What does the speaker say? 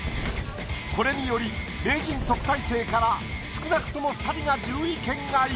これにより名人・特待生から少なくとも２人が１０位圏外。